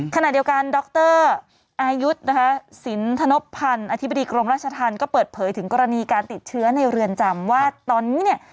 ขณะเดียวกันดรอายุนะคะสินธนบพันธ์อธิบดีกรมราชธรรมก็เปิดเผยถึงกรณีการติดเชื้อในเรือนจำว่าตอนนี้เนี่ย